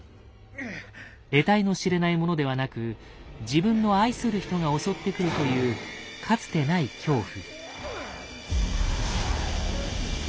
えたいの知れないものではなく自分の愛する人が襲ってくるというかつてない恐怖。